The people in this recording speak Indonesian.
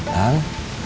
nggak bakal datang